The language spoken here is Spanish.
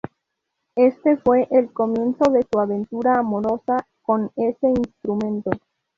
Éste fue el comienzo de su aventura amorosa con ese instrumento.